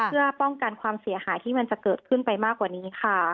เพื่อป้องกันความเสียหายที่มันจะเกิดขึ้นไปมากกว่านี้ค่ะ